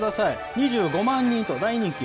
２５万人と大人気。